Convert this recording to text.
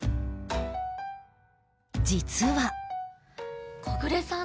実は